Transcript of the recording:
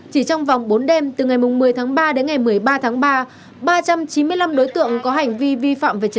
chỉ trong vòng bốn đêm từ ngày một mươi tháng ba đến ngày một mươi ba tháng ba ba trăm chín mươi năm đối tượng có hành vi vi phạm về trật tự